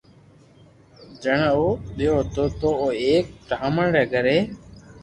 جني او نينو ھتو تو او ايڪ برھامڻ ري گھري